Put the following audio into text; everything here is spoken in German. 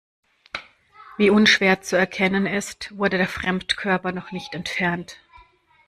Wie unschwer zu erkennen ist, wurde der Fremdkörper noch nicht entfernt.